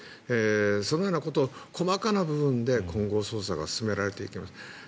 そのようなことを、細かな部分で今後、捜査が進められていきます。